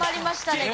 ね